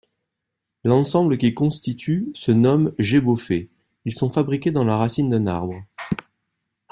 L'ensemble qu'il constitue se nomme Gbofé; ils sont fabriqués dans la racine d'un arbre.